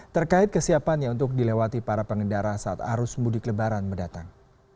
terkait kesiapannya untuk dilewati para pengendara saat arus mudik lebaran mendatang